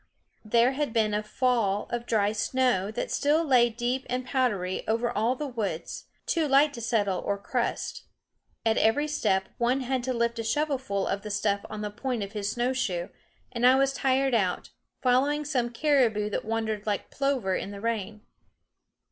There had been a fall of dry snow that still lay deep and powdery over all the woods, too light to settle or crust. At every step one had to lift a shovelful of the stuff on the point of his snowshoe; and I was tired out, following some caribou that wandered like plover in the rain.